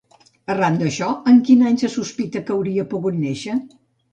Arran d'això, en quin any se sospita que hauria pogut néixer?